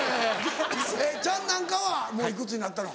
チャンなんかはもういくつになったの？